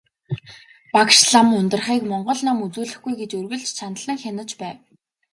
Багш лам Ундрахыг монгол ном үзүүлэхгүй гэж үргэлж чандлан хянаж байв.